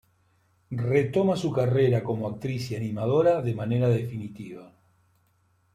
Retoma su carrera como actriz y animadora, de manera definitiva.